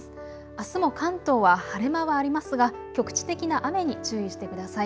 あすも関東は晴れ間はありますが局地的な雨に注意してください。